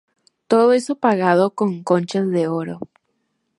Todo eso pagado con conchas de oro.